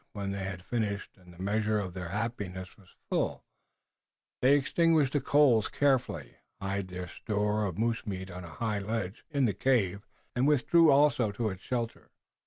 When they had finished and the measure of their happiness was full, they extinguished the coals carefully, hid their store of moose meat on a high ledge in the cave, and withdrew also to its shelter.